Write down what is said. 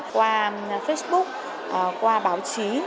qua facebook qua báo chí